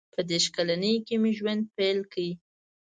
• په دېرش کلنۍ کې مې ژوند پیل کړ.